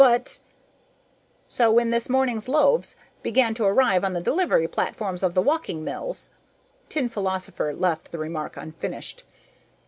But " "So, when this morning's loaves began to arrive on the delivery platforms of the walking mills...." Tin Philosopher left the remark unfinished.